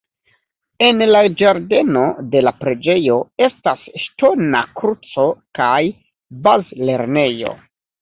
En la ĝardeno de la preĝejo estas ŝtona kruco kaj bazlernejo.